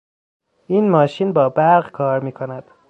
این ماشین با برق کار میکند.